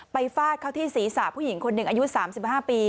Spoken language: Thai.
ฟาดเข้าที่ศีรษะผู้หญิงคนหนึ่งอายุ๓๕ปี